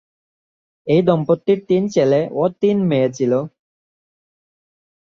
এই দম্পতির তিন ছেলে ও তিন মেয়ে ছিল।